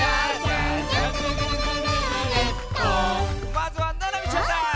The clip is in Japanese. まずはななみちゃんだ！